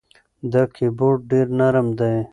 دا کیبورد ډېر نرم دی.